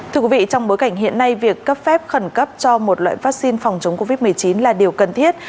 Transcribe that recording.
thưa quý vị trong bối cảnh hiện nay việc cấp phép khẩn cấp cho một loại vaccine phòng chống covid một mươi chín là điều cần thiết